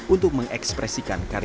untuk mengekspresikan karakter